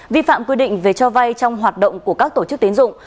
vi phạm quy định về cho vay trong hoạt động của các tổ chức tiến dụng